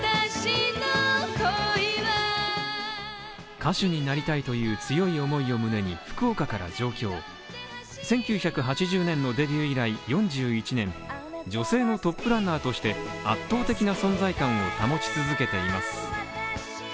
歌手になりたいという強い思いを胸に、福岡から上京１９８０年のデビュー以来４１年、女性のトップランナーとして圧倒的な存在感を保ち続けています。